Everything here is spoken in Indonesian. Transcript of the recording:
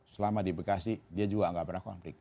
selama di bekasi dia juga nggak pernah konflik